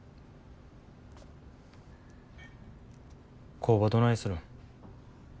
工場どないするん。